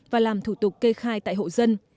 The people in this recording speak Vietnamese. và làm thủ tục kê khai tại hộ dân